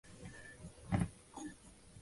逻辑清晰！